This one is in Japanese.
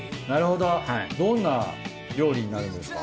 どんな料理になるんですか？